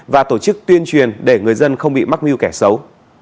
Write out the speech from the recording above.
và tổ chức tuyên truyền để người dân không bị mắc mưu kẻ xấu